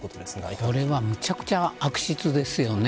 これはむちゃくちゃ悪質ですよね。